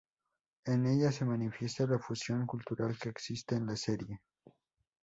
En ella se manifiesta la fusión cultural que existe en la serie.